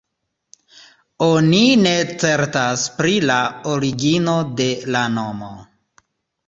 Oni ne certas pri la origino de la nomo.